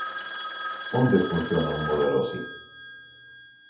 ¿Onde funciona un modelo así?